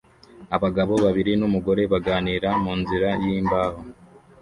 Abagabo babiri numugore baganira munzira yimbaho